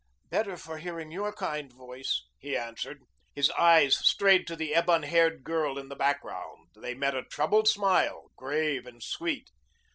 "Better for hearing your kind voice," he answered. His eyes strayed to the ebon haired girl in the background. They met a troubled smile, grave and sweet.